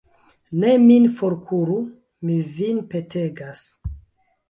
Ne min forkuru; mi vin petegas.